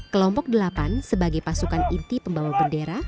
kelompok delapan sebagai pasukan inti pembawa bendera